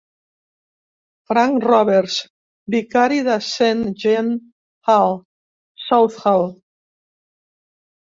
Frank Roberts, vicari de Saint John Hall, Southall.